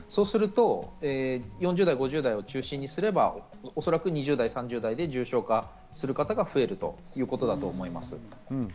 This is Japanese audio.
そうすると４０代、５０代を中心にすれば、おそらく２０代、３０代で重症化する方が増えるということだと思います。